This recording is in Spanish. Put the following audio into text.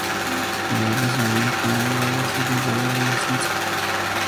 Luego de recibido como abogado se incorporó a la docencia.